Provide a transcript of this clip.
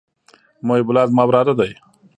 محب الله زما وراره دئ.